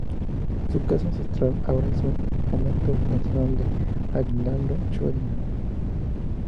Su casa ancestral ahora es un monumento nacional, la Aguinaldo Shrine.